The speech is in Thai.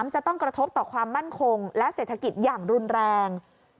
จะต้องกระทบต่อความมั่นคงและเศรษฐกิจอย่างรุนแรง